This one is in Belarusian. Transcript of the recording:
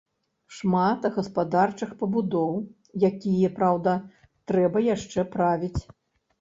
Шмат гаспадарчых пабудоў, якія, праўда, трэба яшчэ правіць.